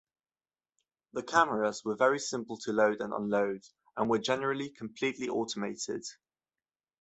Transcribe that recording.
The cameras were very simple to load and unload, and were generally completely automated.